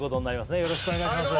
よろしくお願いします